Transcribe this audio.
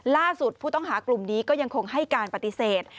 ล่าสุดผู้ต้องหากลุ่มนี้ก็ยังคงให้การปฏิเสธ